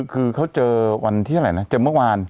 คือเขาเจอวันที่เท่าไหร่นะเจอเมื่อวาน